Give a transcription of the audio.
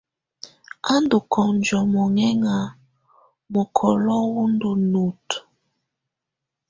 Á ndɔ kɔnjo mɔŋɛŋa, mukɔlo wɔ ndɔ nutǝ.